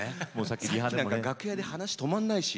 さっきなんか楽屋で話止まんないし。